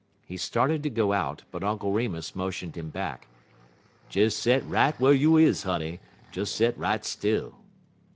He started to go out, but Uncle Remus motioned him back. "Des set right whar you is, honey, des set right still."